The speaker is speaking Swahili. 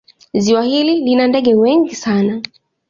Ziwa hili lina ndege wengi sana.